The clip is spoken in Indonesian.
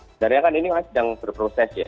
sebenarnya kan ini sedang berproses ya